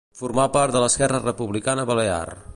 Formà part d'Esquerra Republicana Balear.